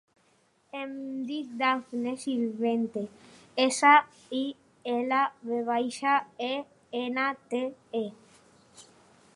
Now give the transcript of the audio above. Em dic Dafne Silvente: essa, i, ela, ve baixa, e, ena, te, e.